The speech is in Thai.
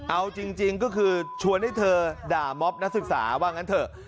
เอาจริงก็คือชวนให้เธอด่าม็อบนักศึกษาว่างั้นเถอะ